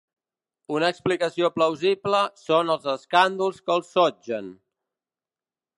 Una explicació plausible són els escàndols que el sotgen.